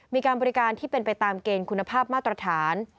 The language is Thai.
มีการบริการที่เป็นไปตามเกณฑ์คุณภาพมาตรฐาน